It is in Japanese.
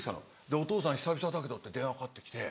「お父さん久々だけど」って電話かかって来て。